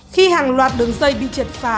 khi hàng loạt đường dây bị triệt phá